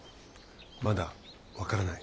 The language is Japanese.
まだ分からない。